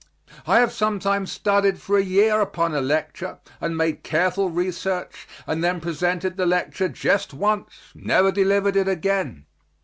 I have sometimes studied for a year upon a lecture and made careful research, and then presented the lecture just once never delivered it again.